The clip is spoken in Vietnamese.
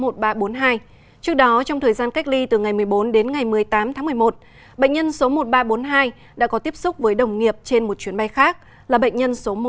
trước đó trong thời gian cách ly từ ngày một mươi bốn đến ngày một mươi tám tháng một mươi một bệnh nhân số một nghìn ba trăm bốn mươi hai đã có tiếp xúc với đồng nghiệp trên một chuyến bay khác là bệnh nhân số một trăm một mươi